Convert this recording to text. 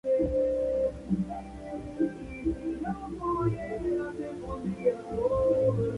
Su trayectoria con el Zaragoza fue de más a menos.